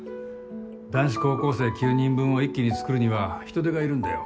男子高校生９人分を一気に作るには人手がいるんだよ。